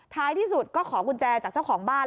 ท้ายที่สุดก็ขอกุญแจจากเจ้าของบ้าน